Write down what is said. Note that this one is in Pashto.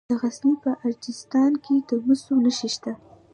د غزني په اجرستان کې د مسو نښې شته.